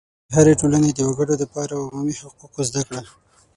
د هرې ټولنې د وګړو دپاره د عمومي حقوقو زده کړه